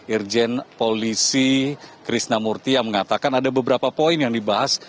irjen polisi krisnamurti yang mengatakan ada beberapa poin yang dibahas